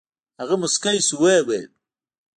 هغه موسكى سو ويې ويل.